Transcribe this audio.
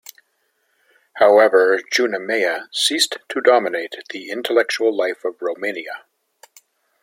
However, "Junimea" ceased to dominate the intellectual life of Romania.